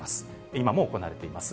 今も行われています。